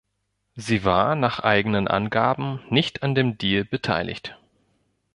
Sie war nach eigenen Angaben nicht an dem Deal beteiligt.